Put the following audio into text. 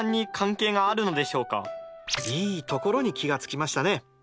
いいところに気が付きましたね。